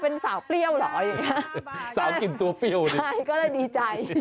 เป็นอย่างไรปริ้ว